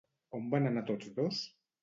On van anar tots dos?